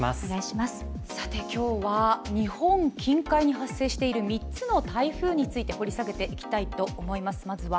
今日は、日本近海に発生している３つの台風について掘り下げていきたいと思います。